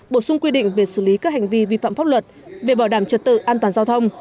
bổ sung quy định về xử lý các hành vi vi phạm pháp luật về bảo đảm trật tự an toàn giao thông